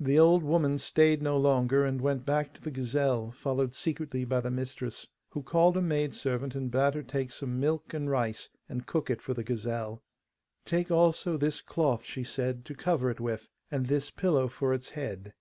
The old woman stayed no longer, and went back to the gazelle, followed secretly by the mistress, who called a maidservant and bade her take some milk and rice and cook it for the gazelle. 'Take also this cloth,' she said, 'to cover it with, and this pillow for its head.